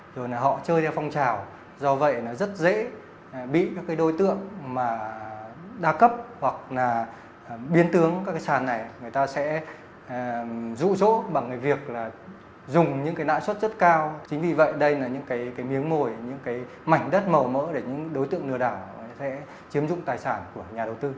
rủi ro lừa đảo sẽ chiếm dụng tài sản của nhà đầu tư